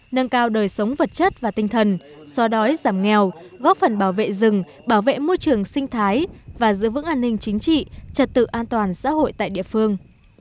nâng cao đời sống vật chất và tinh thần xoa đói giảm nghèo góp phần bảo vệ rừng bảo vệ môi trường sinh thái và giữ vững an ninh chính trị trật tự an toàn xã hội tại địa phương